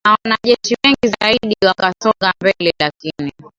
na wanajeshi wengi zaidi wakasonga mbele lakini